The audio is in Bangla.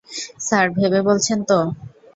স্যার, ভেবে বলছেন তো?